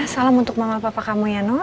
salam untuk mama dan papa kamu ya no